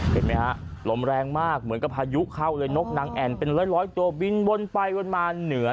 เห็นไหมฮะลมแรงมากเหมือนกับพายุเข้าเลยนกนางแอ่นเป็นร้อยตัวบินวนไปวนมาเหนือ